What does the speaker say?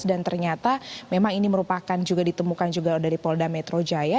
dan ternyata memang ini merupakan juga ditemukan juga dari polda metro jaya